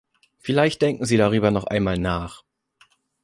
Vielleicht denken Sie darüber noch einmal nach.